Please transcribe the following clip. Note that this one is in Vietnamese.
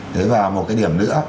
thế vào một cái điểm nữa